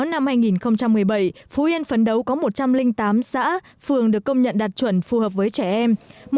năm hai nghìn một mươi bảy phú yên phấn đấu có một trăm linh tám xã phường được công nhận đạt chuẩn phù hợp với trẻ em